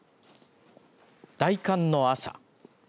大寒の朝。